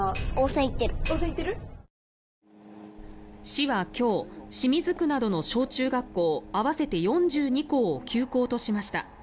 市は今日清水区などの小中学校会わせて４２校を休校としました。